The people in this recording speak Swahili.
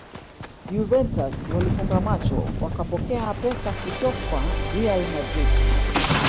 Juventus walifumba macho wakapokea pesa kutokwa real madrid